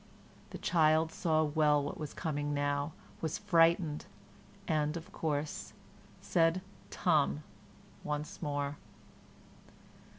The child saw well what was coming now, was frightened, and, of course, said "tum" once more.